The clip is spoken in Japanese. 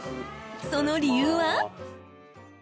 ［その理由は？］